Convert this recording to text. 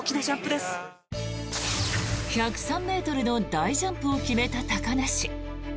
１０３ｍの大ジャンプを決めた高梨。